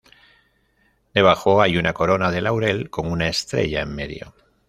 Debajo hay una corona de laurel con una estrella en medio.